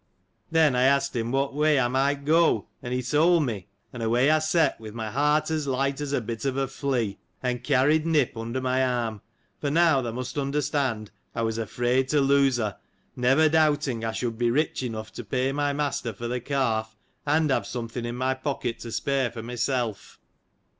Then, I asked him what way I might go ? and he told me : and away I set, with my heart as light as a bit of a flea ; and carried Nip under my arm : for now, thou must understand, I was afraid to lose her, never doubting I should be rich enough to pay my master for the calf, and have something in my pocket to spare for myself.